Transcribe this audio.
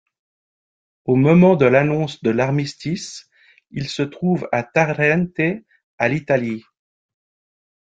Au moment de l'annonce de l'armistice il se trouve à Tarente, à Italie.